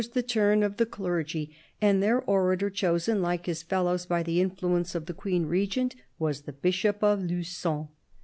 OUVKE THE BISHOP OF LUgON 69 turn of the clergy ; and their orator, chosen, like his fellows, by the influence of the Queen Regent, was the Bishop of Lugon.